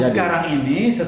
yang sekarang ini setelah